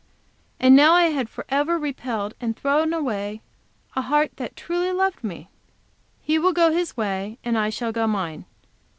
And now I have forever repelled, and thrown away a heart that truly loved me. He will go his way and I shall go mine.